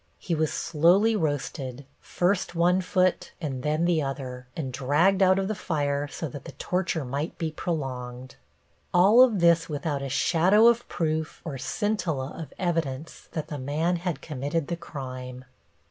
He was slowly roasted, first one foot and then the other, and dragged out of the fire so that the torture might be prolonged. All of this without a shadow of proof or scintilla of evidence that the man had committed the crime.